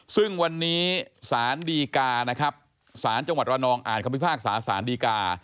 ซึ่งวันนี้สารดีกานะครับสารจังหวัดระนองอ่านคำพิพากษาสารดีกา